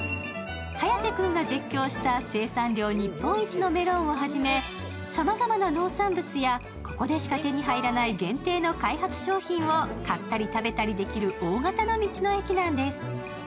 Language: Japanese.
颯君が絶叫した生産量日本一のメロンをはじめさまざまな農産物やここでしか手に入らない限定の商品を買ったり食べたりできる大型の道の駅なんです。